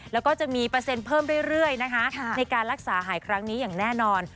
แล้วก็จะมีเปอร์เซ็นต์เพิ่มเรื่อยนะคะในการรักษาหายครั้งนี้อย่างแน่นอน